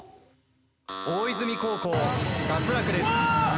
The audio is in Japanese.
大泉高校脱落です。